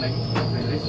nah ini belum pasin